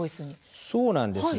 そうなんです。